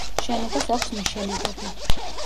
შენობას აქვს მიშენებები.